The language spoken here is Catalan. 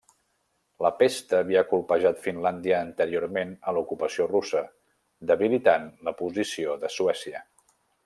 La pesta havia colpejat Finlàndia anteriorment a l’ocupació russa, debilitant la posició de Suècia.